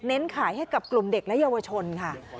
ขายให้กับกลุ่มเด็กและเยาวชนค่ะ